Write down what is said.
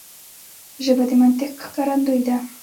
ژبه د منطق ښکارندوی ده